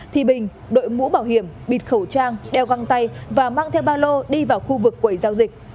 thì bình đội mũ bảo hiểm bịt khẩu trang đeo găng tay và mang theo ba lô đi vào khu vực quẩy giao dịch